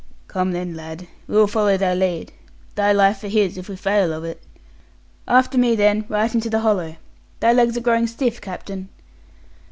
'Come then, lad, we will follow thy lead. Thy life for his, if we fail of it.' 'After me then, right into the hollow; thy legs are growing stiff, captain.'